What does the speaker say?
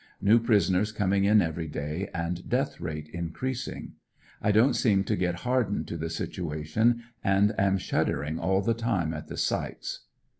New prisoners coming in every day and death rate increasing. I don't seem to get hardened to the situation and am shuddering all the time at the sights.